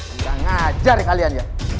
enggak ngajar ya kalian